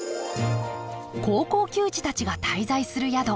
高校球児たちが滞在する宿。